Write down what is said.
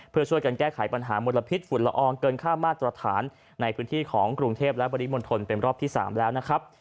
เพื่อช่วยกันแก้ไขปัญหามลพิษฝุ่นละอองเกินค่ามาตรฐานในพื้นที่ของกรุงเทพและปริมณฑลเป็นรอบที่๓แล้วนะครับ